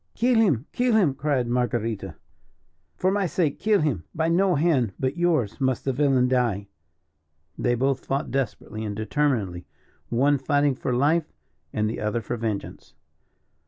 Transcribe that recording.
"Kill him! Kill him!" cried Marguerita. "For my sake kill him! By no hand but yours must the villain die!" They both fought desperately and determinedly, one fighting for life, and the other for vengeance.